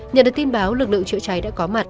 nhận được tin báo lực lượng chữa cháy đã có mặt